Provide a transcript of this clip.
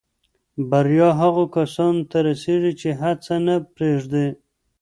بریا هغو کسانو ته رسېږي چې هڅه نه پرېږدي.